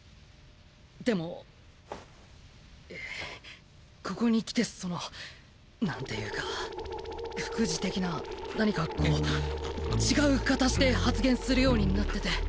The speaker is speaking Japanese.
でもえここに来てそのなんていうか副次的な何かこう違う形で発現するようになってて。